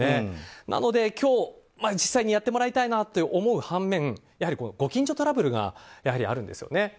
なので今日、実際にやってもらいたいなと思う反面やはりご近所トラブルがあるんですよね。